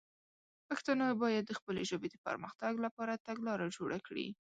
پښتانه باید د خپلې ژبې د پر مختګ لپاره تګلاره جوړه کړي.